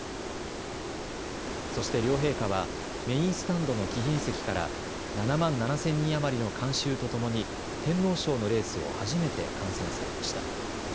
そして両陛下はメインスタンドの貴賓席から７万７０００人余りの観衆とともに天皇賞のレースを初めて観戦されました。